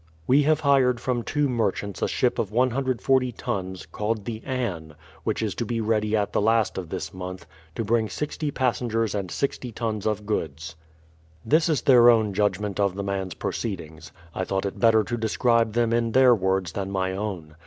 We have hired from two merchants a ship of 140 tons, called the Anne, which is to be ready the last of this month, to bring sixty passengers and 60 tons of goods. ... no BRADFORD'S HISTORY OF This is their own judgment of the man's proceedings. I thought it better to describe them in their words than my own.